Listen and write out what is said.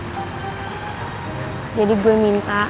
batu bata jangan buat hidup mel makin menderita ya